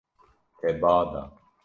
Te ba da.